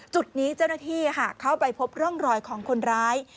จุดนี้เจ้าหน้าที่เข้าไปพบร่องรอยของคนร้าย